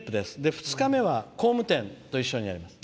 ２日目は工務店と一緒にやります。